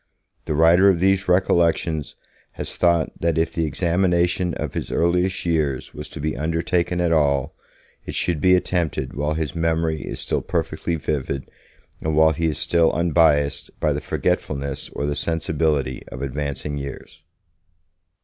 The writer of these recollections has thought that if the examination of his earliest years was to be undertaken at all, it should be attempted while his memory is still perfectly vivid and while he is still unbiased by the forgetfulness or the sensibility of advancing years.